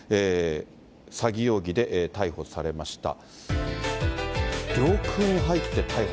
詐欺容疑で逮捕されました。